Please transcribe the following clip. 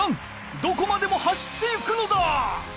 どこまでも走っていくのだ！